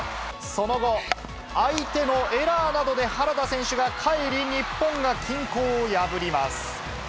その後、相手のエラーなどで原田選手がかえり、日本が均衡を破ります。